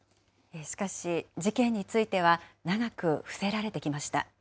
しかし、事件については長く伏せられてきました。